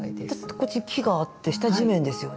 こっち木があって下地面ですよね。